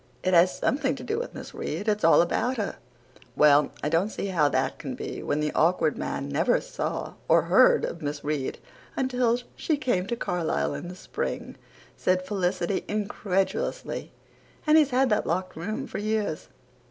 "It has something to do with Miss Reade. It's all about her." "Well, I don't see how that can be when the Awkward Man never saw or heard of Miss Reade until she came to Carlisle in the spring," said Felicity incredulously, "and he's had that locked room for years."